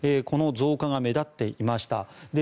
この増加が目立っていました。